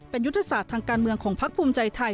เป็นยุทธศาสตร์ทางการเมืองของพักภูมิใจไทย